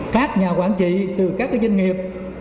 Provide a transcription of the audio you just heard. các nhà quản trị từ các doanh nghiệp